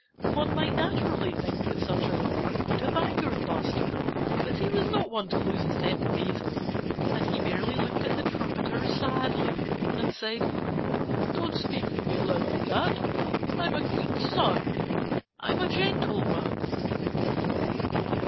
One might naturally think that such a remark would have angered Buster. But he was not one to lose his temper easily. And he merely looked at the trumpeter sadly and said: "Don't speak to me like that! I'm a queen's son. I'm a gentleman."